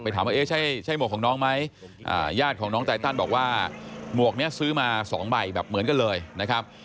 ถามว่าเอ๊ะใช่หมวกของน้องไหมญาติของน้องไตตันบอกว่าหมวกนี้ซื้อมา๒ใบแบบเหมือนกันเลยนะครับ